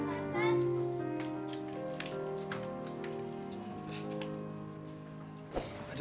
ya allah ibu